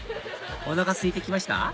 おなかすいてきました？